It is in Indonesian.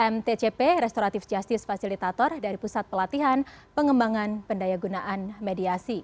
mtcp restoratif justice fasilitator dari pusat pelatihan pengembangan pendaya gunaan mediasi